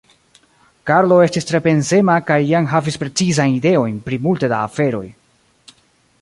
Karlo estis tre pensema kaj jam havis precizajn ideojn pri multe da aferoj.